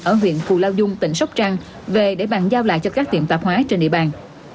ở huyện cù lao dung tỉnh sóc trăng về để bàn giao lại cho các tiệm tạp hóa trên địa bàn